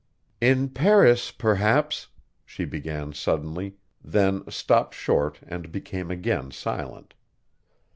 "In Paris, perhaps " she began suddenly, then stopped short and became again silent.